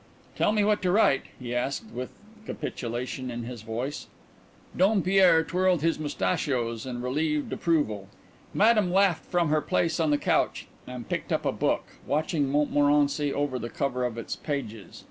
"Tell me what to write," he asked, with capitulation in his voice. Dompierre twirled his mustachios in relieved approval. Madame laughed from her place on the couch and picked up a book, watching Montmorency over the cover of its pages.